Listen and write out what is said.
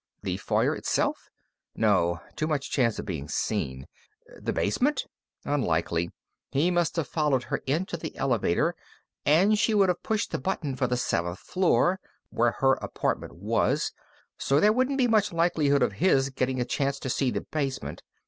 The foyer itself? No. Too much chance of being seen. The basement? Unlikely. He must have followed her into the elevator, and she would have pushed the button for the seventh floor, where her apartment was, so there wouldn't be much likelihood of his getting a chance to see the basement.